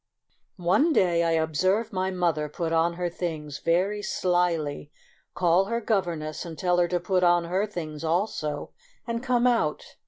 One day I observed my mother put on her things very slily, call her governess and tell her to put on her things also, and come out.